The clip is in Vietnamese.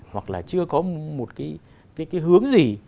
hoặc là chưa có một cái hướng gì